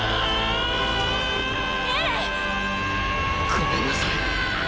ごめんなさい